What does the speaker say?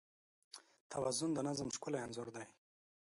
توازن د نظم ښکلی انځور دی.